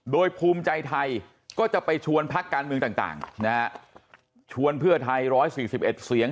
โดยภูมิใจไทยก็จะไปชวนพักการเมืองต่างนะฮะชวนเพื่อไทย๑๔๑เสียง